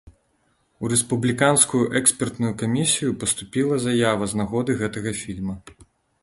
У рэспубліканскую экспертную камісію паступіла заява з нагоды гэтага фільма.